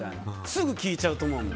すぐ聞いちゃうと思う。